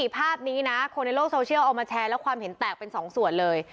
ภาพนี้นะคนในโลกโซเชียลเอามาแชร์แล้วความเห็นแตกเป็น๒ส่วนเลย